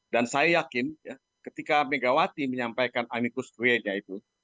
dan saya yakin ketika megawati menyampaikan amicus curianya itu